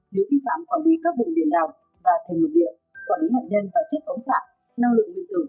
nếu vi phạm quản lý các vùng điền đảo và thềm lực địa quản lý hạn nhân và chất phóng xạ năng lượng vi tử